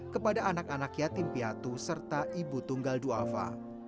kepada anak anak yatim piatu serta ibu tunggal duafa